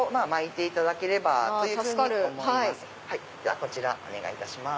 こちらお願いいたします。